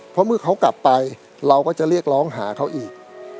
เพราะเมื่อเขากลับไปเราก็จะเรียกร้องหาเขาอีก